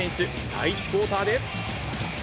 第１クオーターで。